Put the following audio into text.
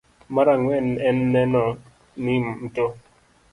Mar ang'wen en neno ni mto